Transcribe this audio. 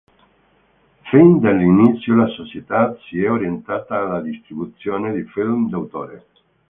Fin dall'inizio la società si è orientata alla distribuzione di film d'autore.